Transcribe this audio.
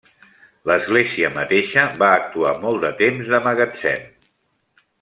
L'església mateixa va actuar molt de temps de magatzem.